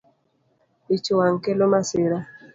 Ich wang’ kelo masira